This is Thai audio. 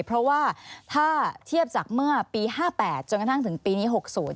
เพราะว่าถ้าเทียบจากเมื่อปี๕๘จนกระทั่งถึงปีนี้๖๐